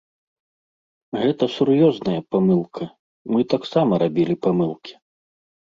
Гэта сур'ёзная памылка, мы таксама рабілі памылкі.